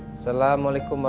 assalamualaikum wr wb